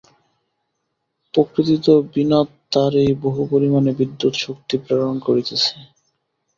প্রকৃতি তো বিনা তারেই বহু পরিমাণে বিদ্যুৎশক্তি প্রেরণ করিতেছে।